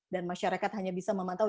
dan masyarakat hanya bisa memantau